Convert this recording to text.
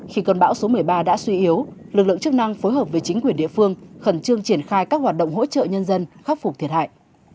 khi cơn bão số một mươi ba đã suy yếu lực lượng chức năng phối hợp với chính quyền địa phương khẩn trương triển khai các hoạt động hỗ trợ nhân dân khắc phục thiệt hại